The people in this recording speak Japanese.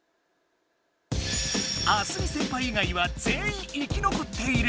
あすみ先輩い外は全員生きのこっている。